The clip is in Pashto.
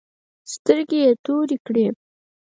سترگې يې تورې کړې.